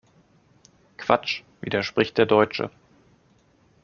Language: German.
Quatsch!, widerspricht der Deutsche.